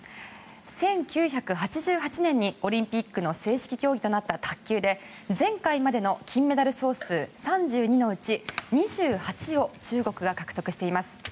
１９８８年にオリンピックの正式競技となった卓球で前回までの金メダル総数３２のうち２８を中国が獲得しています。